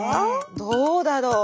どうだろう。